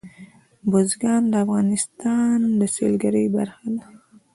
بزګان د افغانستان د سیلګرۍ برخه ده.